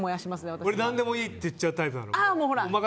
俺、何でもいいって言っちゃうタイプなの。